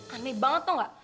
aneh banget tau gak